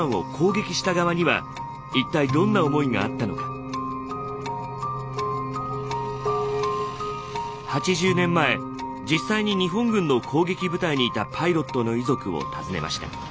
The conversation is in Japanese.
一方８０年前実際に日本軍の攻撃部隊にいたパイロットの遺族を訪ねました。